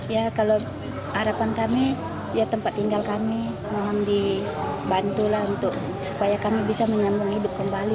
ya kalau harapan kami ya tempat tinggal kami mohon dibantu lah untuk supaya kami bisa menyambung hidup kembali